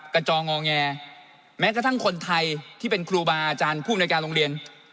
จองงอแงแม้กระทั่งคนไทยที่เป็นครูบาอาจารย์ผู้อำนวยการโรงเรียน